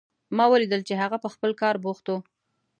ما ولیدل چې هغه په خپل کار بوخت و